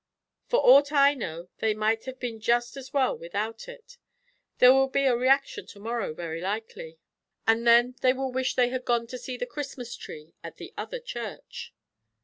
For ought I know, they might have been just as well without it. There will be a reaction to morrow, very likely; and then they will wish they had gone to see the Christmas tree at the other church."